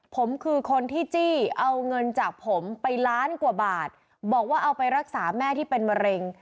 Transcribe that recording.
ผมคือคนที่จี้เอาเงินจากผมไปล้านกว่าบาทบอกว่าเอาไปรักษาแม่ที่เป็นมะเร็ง